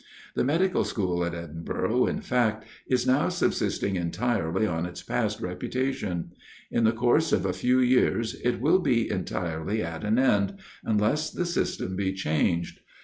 The medical school at Edinburgh, in fact, is now subsisting entirely on its past reputation; in the course of a few years it will be entirely at an end, unless the system be changed.